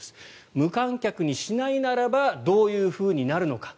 無観客にしないならばどういうふうになるのか。